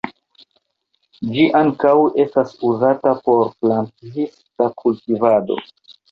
Ĝi ankaŭ estas uzata por planthista kultivado.